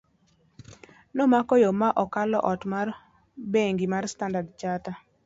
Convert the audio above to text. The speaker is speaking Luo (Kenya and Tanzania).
nomako yo ma okalo ot mar bangi mar Standard Chartered